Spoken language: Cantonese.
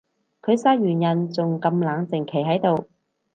佢殺完人仲咁冷靜企喺度